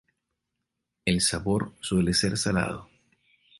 El sabor suele ser salado.